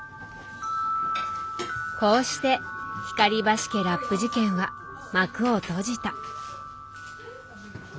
こうして光橋家ラップ事件は幕を閉じた。